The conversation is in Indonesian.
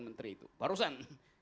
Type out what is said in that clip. menteri itu barusan